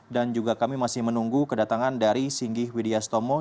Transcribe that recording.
dan juga kami masih menunggu kedatangan dari singgih widya stomog